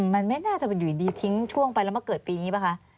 มันไม่น่าอยู่ดีทิ้งช่วงปรรมเกิดปีนี้ปะคะ